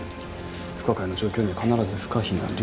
不可解な状況には必ず不可避な理由がある。